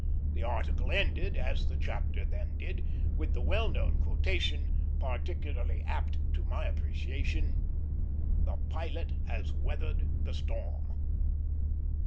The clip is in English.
The article ended, as the chapter then did, with the well known quotation, particularly apt to my appreciation, "The Pilot had weathered the storm."